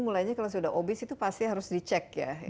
mulainya kalau sudah obes itu pasti harus dicek ya